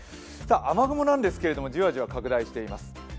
雨雲なんですけれども、じわじわ拡大しています。